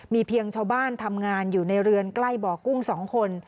มีเพียงชาวบ้านทำงานอยู่ในเรือนใกล้บ่อกุ้ง๒คน